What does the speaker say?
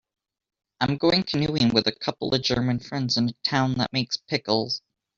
I'm going canoeing with a couple of German friends in a town that makes pickles.